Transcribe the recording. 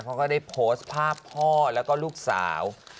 ก็ได้โพสต์ภาพพ่อแล้วก็ลูกสาว